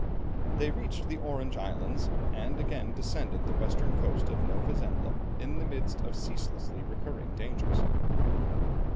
They reached the Orange Islands, and again descended the western coast of Nova Zembla in the midst of ceaselessly recurring dangers.